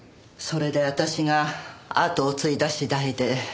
それで私があとを継いだ次第で。